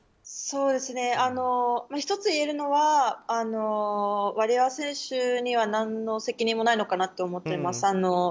１つ言えるのはワリエワ選手には何の責任もないのかなと思ってます。